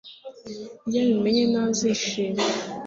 Iyo abimenye ntazishima